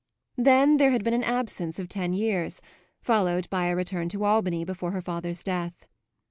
Then there had been an absence of ten years, followed by a return to Albany before her father's death.